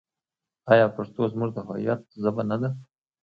آیا پښتو زموږ د هویت ژبه نه ده؟